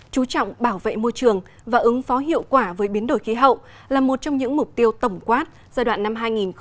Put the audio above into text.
chú trọng bảo vệ môi trường và ứng phó hiệu quả với biến đổi khí hậu là một trong những mục tiêu tổng quát giai đoạn năm hai nghìn hai mươi hai nghìn hai mươi năm